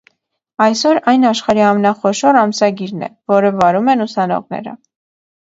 Այսօր այն աշխարհի ամենախոշոր ամսագիրն է, որը վարում են ուսանողները։